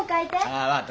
分かった。